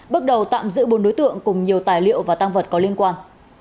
bước đầu tạm giữ bốn đối tượng cùng nhiều tài liệu và tăng vật có liên quan